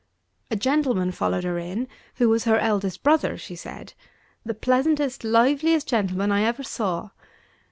A gentleman followed her in, who was her eldest brother (she said); the pleasantest, liveliest gentleman I ever saw.